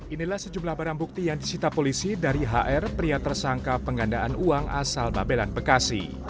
inilah sejumlah barang bukti yang disita polisi dari hr pria tersangka penggandaan uang asal babelan bekasi